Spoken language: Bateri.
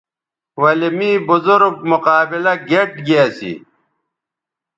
ولے می بزرگ مقابلہ گیئٹ گی اسی